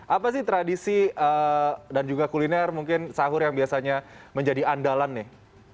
apa sih tradisi dan juga kuliner mungkin sahur yang biasanya menjadi andalan nih